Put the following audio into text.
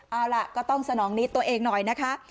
เอาล่ะก็ต้องสนองนิดตัวเองหน่อยนะคะ